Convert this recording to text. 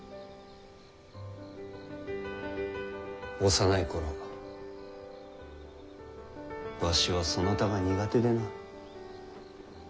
幼い頃わしはそなたが苦手でな。